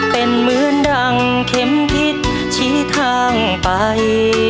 เป็นเหมือนรังเข็มทิศชี้ทางไป